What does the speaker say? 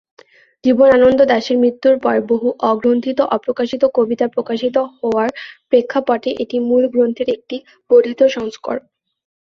জীবনানন্দ দাশের মৃত্যুর পর বহু অগ্রন্থিত-অপ্রকাশিত কবিতা প্রকাশিত হওয়ার প্রেক্ষাপটে এটি মূল গ্রন্থের একটি বর্ধিত সংস্করণ।